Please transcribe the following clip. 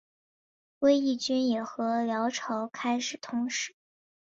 归义军也和辽朝开始通使。